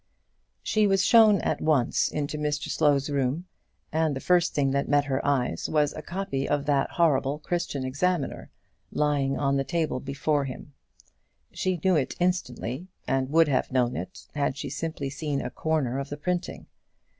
She was shown at once into Mr Slow's room, and the first thing that met her eyes was a copy of that horrible Christian Examiner, lying on the table before him. She knew it instantly, and would have known it had she simply seen a corner of the printing.